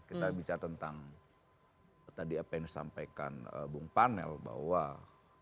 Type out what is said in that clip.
kita bicara tentang tadi apa yang disampaikan bung panel bahwa kita ini berpolitik kan bicara tentang